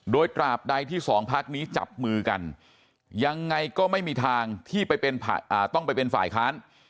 โดยตราบใดที่สองพักนี้จับมือกันยังไงก็ไม่มีทางที่ต้องไปเป็นฝ่ายค้าน